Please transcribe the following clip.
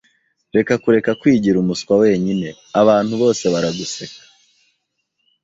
[S] Reka kureka kwigira umuswa wenyine. Abantu bose baraguseka.